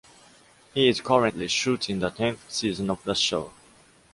He is currently shooting the tenth season of the show.